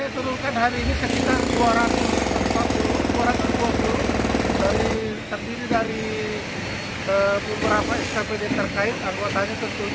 pemilik ruko yang telah ditentukan pada rabu pagi telah menutup seluruh air